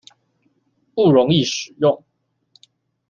不容易使用